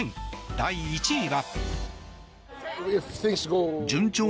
第１位は。